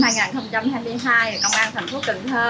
năm hai nghìn hai mươi hai thì công an thành phố cần thơ